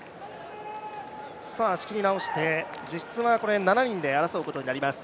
仕切り直して、実質は７人で争うことになります。